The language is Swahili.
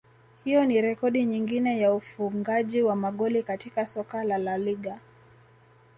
Hiyo ni rekodi nyingine ya ufungaji wa magoli katika soka la LaLiga